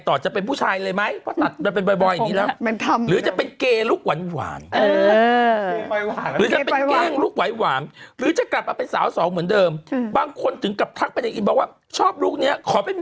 ต่อจะเป็นผู้ชายเลยไหมว่าตัดอย่างบ่อยอย่างเนี่ย